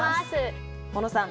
小野さん